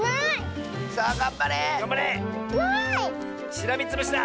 しらみつぶしだ！